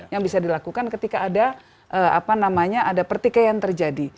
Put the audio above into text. yang bisa dilakukan ketika ada pertikaian terjadi